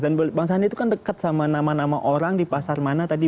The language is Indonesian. dan bang sandi itu kan dekat sama nama nama orang di pasar mana tadi